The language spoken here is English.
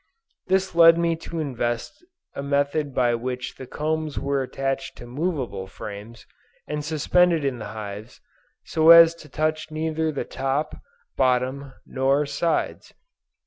This led me to invent a method by which the combs were attached to MOVABLE FRAMES, and suspended in the hives, so as to touch neither the top, bottom, nor sides.